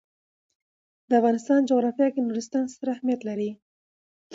د افغانستان جغرافیه کې نورستان ستر اهمیت لري.